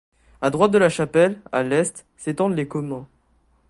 À droite de la chapelle, à l'est, s'étendent les communs.